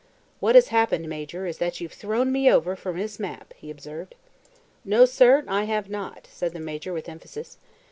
"What has happened, Major, is that you've thrown me over for Miss Mapp," he observed. "No, sir, I have not," said the Major with emphasis.